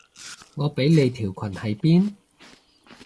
我畀你條裙喺邊？